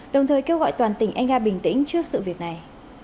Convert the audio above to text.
đồng thời kêu gọi toàn tỉnh enga bình tĩnh trước sự việc này